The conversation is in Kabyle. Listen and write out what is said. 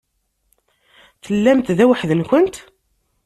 Tellamt da weḥd-nkent?